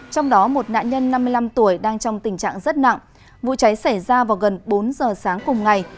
trong đó một nạn nhân năm mươi năm tuổi đang trong tình trạng rất nặng vụ cháy xảy ra vào gần bốn giờ sáng cùng ngày